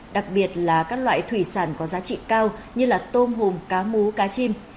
đặc biệt là các loại thủy sản có giá trị cao như tôm hùm cá mú cá chim